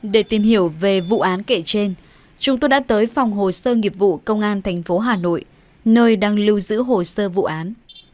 để tìm hiểu về vụ án kể trên chúng tôi đã tới phòng hồ sơ nghiệp vụ công an tp hà nội nơi đang lưu giữ hồ sơ vụ án